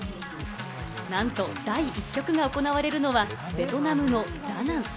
なんと第１局が行われるのはベトナムのダナン。